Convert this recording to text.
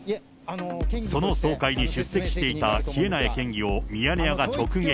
その総会に出席していた稗苗県議をミヤネ屋が直撃。